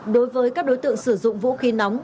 đối với các đối tượng sử dụng vũ khí nóng